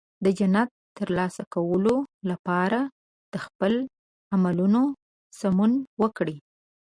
د جنت ترلاسه کولو لپاره د خپل عملونو سمون وکړئ.